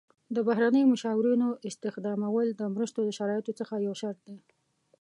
د بهرنیو مشاورینو استخدامول د مرستو د شرایطو څخه یو شرط دی.